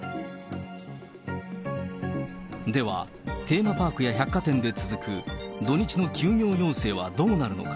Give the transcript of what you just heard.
では、テーマパークや百貨店で続く、土日の休業要請はどうなるのか。